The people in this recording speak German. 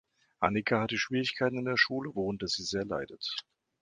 Annika hat Schwierigkeiten in der Schule, worunter sie sehr leidet.